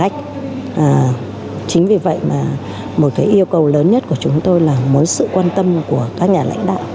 chính vì vậy mà một cái yêu cầu lớn nhất của chúng tôi là muốn sự quan tâm của các nhà lãnh đạo